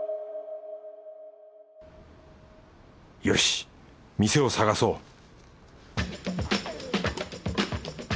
よし店を探そう